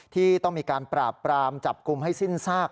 ที่ต้องมีการปราบปรามจับกลุ่มให้สิ้นซาก